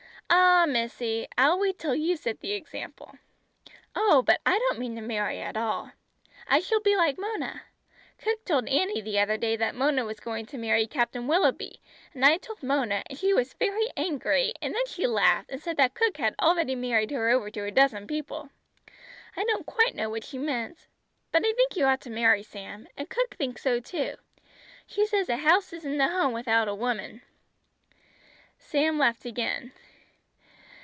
"Ah, missy, I'll wait till you set the example." "Oh, but I don't mean to marry at all. I shall be like Mona. Cook told Annie the other day that Mona was going to marry Captain Willoughby and I told Mona, and she was very angry and then she laughed and said that cook had already married her to over a dozen people. I don't quite know what she meant but I think you ought to marry, Sam, and cook thinks so too. She says a house isn't a home without a woman!" Sam laughed again.